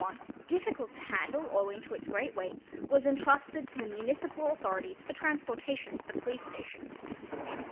I, difficult to handle owing | to its great weight, was intrusted to the Municipal Authorities for trans portation to the police station."